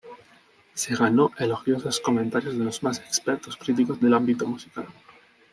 Se ganó elogiosos comentarios de los más expertos críticos del ámbito musical.